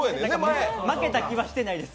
負けた気はしてないです。